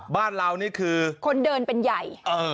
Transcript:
บ้านเรานี่คือคนเดินเป็นใหญ่